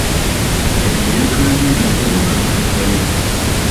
Ente yakaabye nga teraba kaana kayo.